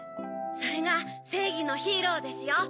それがせいぎのヒーローですよ。